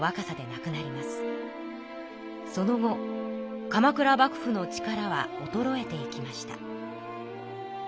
その後鎌倉幕府の力はおとろえていきました。